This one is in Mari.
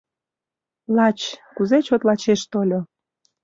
Лач, кузе чот лачеш тольо!